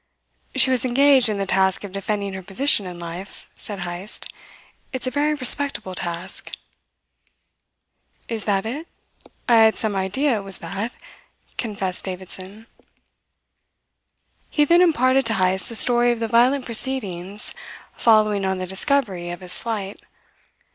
"She was engaged in the task of defending her position in life," said Heyst. "It's a very respectable task." "Is that it? I had some idea it was that," confessed Davidson. He then imparted to Heyst the story of the violent proceedings following on the discovery of his flight.